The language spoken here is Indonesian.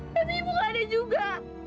tapi ibu gak ada juga